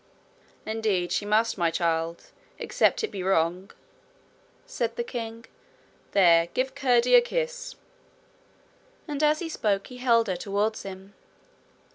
'Indeed she must, my child except it be wrong,' said the king. 'There, give Curdie a kiss.' And as he spoke he held her towards him.